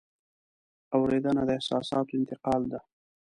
اورېدنه د احساساتو انتقال ده.